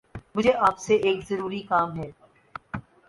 مجھے آپ سے ایک ضروری کام ہے